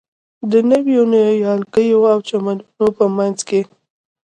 د نویو نیالګیو او چمنونو په منځ کې.